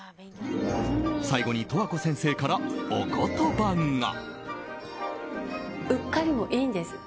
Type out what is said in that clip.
最後に、十和子先生からお言葉が。